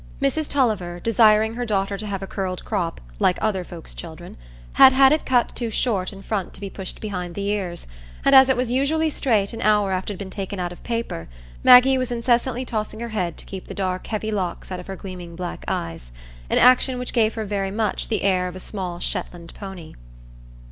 Mrs Tulliver, desiring her daughter to have a curled crop, "like other folks's children," had had it cut too short in front to be pushed behind the ears; and as it was usually straight an hour after it had been taken out of paper, Maggie was incessantly tossing her head to keep the dark, heavy locks out of her gleaming black eyes,—an action which gave her very much the air of a small Shetland pony.